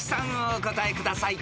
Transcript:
お答えください］「牡蠣」？